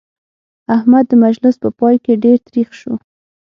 احمد د مجلس په پای کې ډېر تريخ شو.